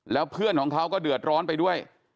แล้วเพื่อนของเขาก็เดือดร้อนไปด้วย